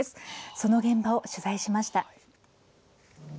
その現場を取材しました。